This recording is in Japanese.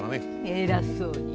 えらそうに。